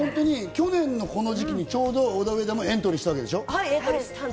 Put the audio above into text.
去年のこの時期にちょうどオダウエダもエントリーしたんでしはい。